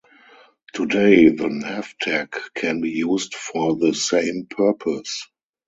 Today the nav tag can be used for the same purpose.